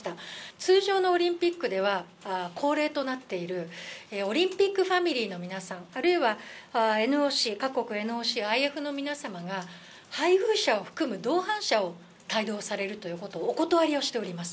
通常のオリンピックでは、恒例となっているオリンピックファミリーの皆さん、あるいはＮＯＣ、各国ＮＯＣ、ＩＦの皆様が、配偶者を含む同伴者を帯同されるということをお断りをしております。